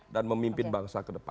dan memimpin bangsa ke depan